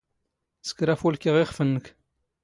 ⵙⴽⵔ ⴰⴼⵓⵍⴽⵉ ⵖ ⵉⵅⴼ ⵏⵏⴽ